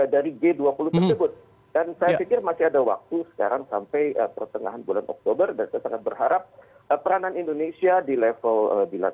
dan saya pikir masih ada waktu sekarang sampai pertengahan bulan oktober dan saya sangat berharap peranan indonesia di level bilateral regional dan global ini